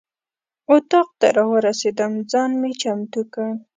اتاق ته راورسېدم ځان مې چمتو کړ.